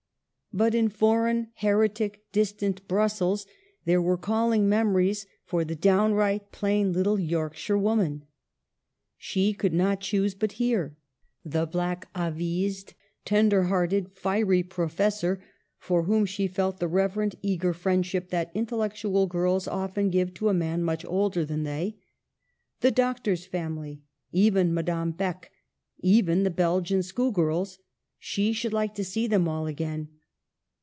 But in foreign, heretic, distant Brussels there were calling memories for the downright, plain little Yorkshire woman. She could not choose but hear. The blackavised, tender hearted, fiery professor, for whom she felt the reverent, eager friendship that intellectual girls often give to a man much older than they ; the doctor's family ; even Madame Beck ; even the Belgian school girls — she should like to see them all again.